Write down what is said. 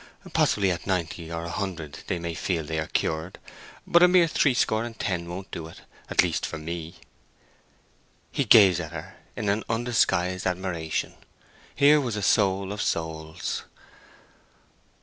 Possibly at ninety or a hundred they may feel they are cured; but a mere threescore and ten won't do it—at least for me." He gazed at her in undisguised admiration. Here was a soul of souls!